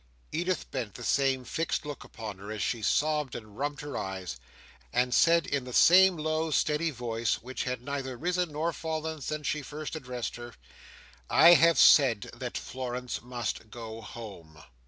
Edith bent the same fixed look upon her, as she sobbed and rubbed her eyes; and said in the same low steady voice, which had neither risen nor fallen since she first addressed her, "I have said that Florence must go home."